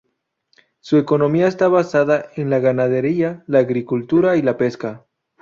Su economía está basada en la ganadería, la agricultura y la pesca.